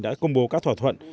đã công bố các thỏa thuận